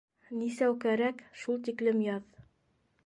- Нисәү кәрәк, шул тиклем яҙ.